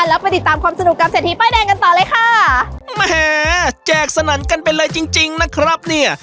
แล้วไปติดตามความสนุกกับเศรษฐีป้ายแดงกันต่อเลยค่ะแหมแจกสนั่นกันไปเลยจริงจริงนะครับเนี่ย